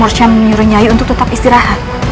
bukankah syemur syam menyuruh nyai untuk tetap istirahat